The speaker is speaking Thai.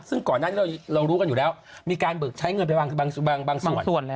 ซึ่งก่อนหน้านี้เรารู้กันอยู่แล้วมีการเบิกใช้เงินไปบางส่วน